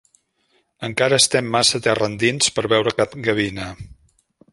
Encara estem massa terra endins per veure cap gavina.